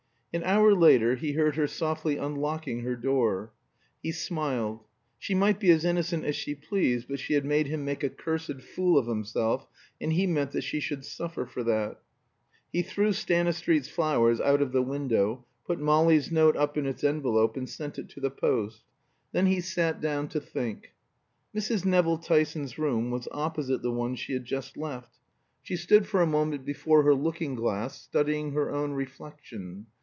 An hour later he heard her softly unlocking her door. He smiled. She might be as innocent as she pleased, but she had made him make a cursed fool of himself, and he meant that she should suffer for that. He threw Stanistreet's flowers out of the window, put Molly's note up in its envelope and sent it to the post. Then he sat down to think. Mrs. Nevill Tyson's room was opposite the one she had just left. She stood for a moment before her looking glass, studying her own reflection.